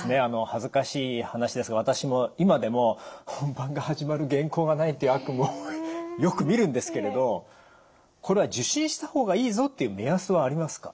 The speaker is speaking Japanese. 恥ずかしい話ですが私も今でも「本番が始まる原稿がない」っていう悪夢をよくみるんですけれどこれは受診した方がいいぞっていう目安はありますか？